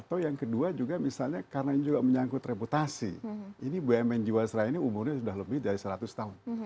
atau yang kedua juga misalnya karena ini juga menyangkut reputasi ini bumn jiwasraya ini umurnya sudah lebih dari seratus tahun